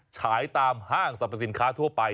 ฉายตามห้างสรรพสินค้าทั่วไป